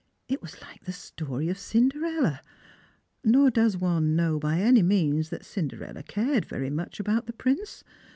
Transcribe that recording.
It was like the story of Cinderella ; nor does one know by any means that Cinderella cared very much about the Prince.